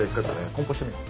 梱包してみよう。